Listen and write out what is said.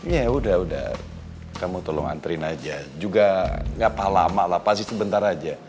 ya udah udah kamu tolong antriin aja juga ngapain lama lah pasti sebentar aja